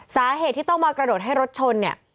สาเหตุที่ต้องมากระโดดให้รถชนเนี่ย